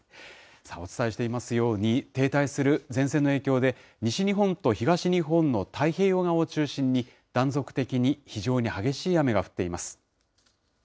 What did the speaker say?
さあ、お伝えしていますように、停滞する前線の影響で、西日本と東日本の太平洋側を中心に、断続的に非常に激しい雨が降っています。